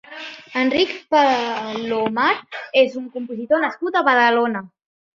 Enric Palomar és un compositor nascut a Badalona.